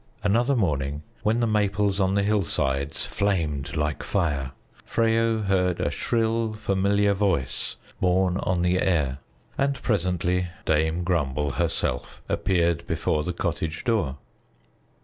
Another morning, when the maples on the hillsides flamed like fire, Freyo heard a shrill familiar voice borne on the air, and presently Dame Grumble herself appeared before the cottage door.